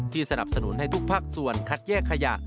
ที่สนับสนุนให้ทุกภักดิ์ส่วนคัดแยกขยะ